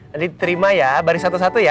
nanti terima ya baris satu satu ya